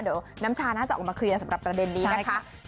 เดี๋ยวน้ำชาน่าจะออกมาเคลียร์สำหรับประเด็นนี้นะคะ